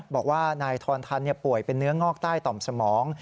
บอกว่านายทอนทันป่วยเป็นเนื้องอกใต้ต่อมสมอง